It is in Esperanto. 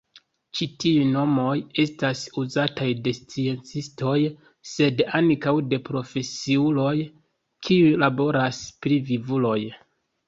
Ĉi-tiuj nomoj estas uzataj de sciencistoj sed ankaŭ de profesiuloj kiuj laboras pri vivuloj.